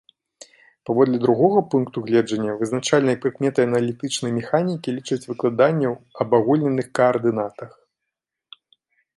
Паводле другога пункту гледжання, вызначальнай прыкметай аналітычнай механікі лічаць выкладанне ў абагульненых каардынатах.